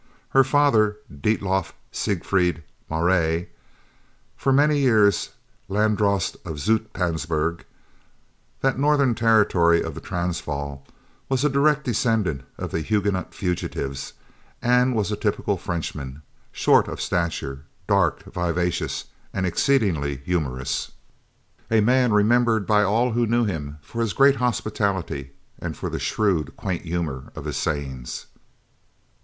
Her father, Dietlof Siegfried Maré, for many years Landdrost of Zoutpansberg, that northern territory of the Transvaal, was a direct descendant of the Huguenot fugitives, and was a typical Frenchman, short of stature, dark, vivacious, and exceedingly humorous, a man remembered by all who knew him for his great hospitality and for the shrewd, quaint humour of his sayings. [Illustration: MRS.